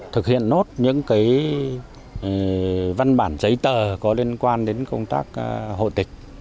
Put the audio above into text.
thực hiện nốt những văn bản giấy tờ có liên quan đến công tác hội tịch